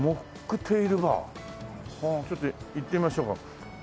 はあちょっと行ってみましょうか。